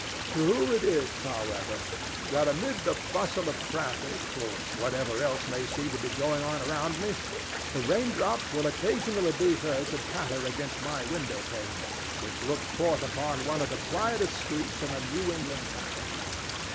True it is, however, that amid the bustle of traffic, or whatever else may seem to be going on around me, the raindrops will occasionally be heard to patter against my window panes, which look forth upon one of the quietest streets in a New England town.